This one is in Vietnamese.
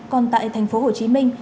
còn tại thành phố hồ chí minh